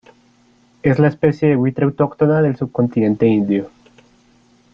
Es la especie de buitre autóctona del subcontinente indio.